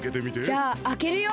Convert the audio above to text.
じゃああけるよ。